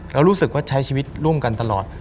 รู้สึกว่าใช้ชีวิตร่วมกันตลอด